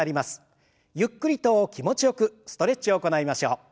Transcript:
ゆっくりと気持ちよくストレッチを行いましょう。